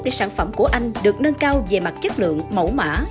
để sản phẩm của anh được nâng cao về mặt chất lượng mẫu mã